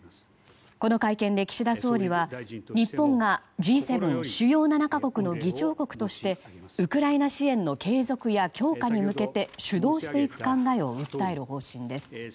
この会見で岸田総理は、日本がＧ７・主要７か国の議長国としてウクライナ支援の継続や強化に向けて主導していく考えを訴える方針です。